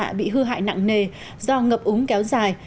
đã bị hư hại nặng nề do ngập úng kéo dài